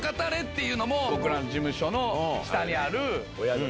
僕らの事務所の下にある。